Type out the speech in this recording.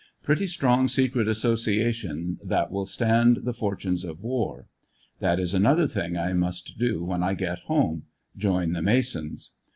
Pret ty strong secret association that will stand the fortunes of war. That is another thing I must do when I get home — join the Masons.